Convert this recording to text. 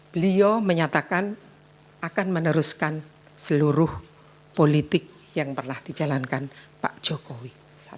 beliau menyatakan akan meneruskan seluruh politik yang pernah dijalankan pak jokowi